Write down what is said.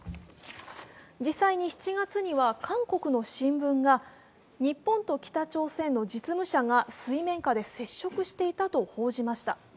実際に７月には韓国の新聞が日本と北朝鮮の実務者が水面下で接触していたと報じました。